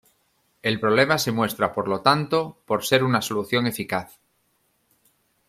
El problema se muestra por lo tanto, por ser una solución eficaz.